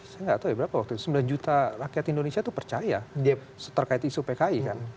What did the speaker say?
saya nggak tahu ya berapa waktu itu sembilan juta rakyat indonesia itu percaya terkait isu pki kan